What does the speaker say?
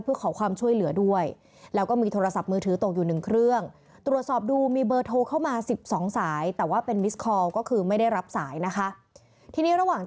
เพื่อขอความช่วยเหลือด้วยแล้วก็มีโทรศัพท์มือถือตกอยู่หนึ่งเครื่อง